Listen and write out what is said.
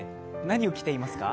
何を着ていますか？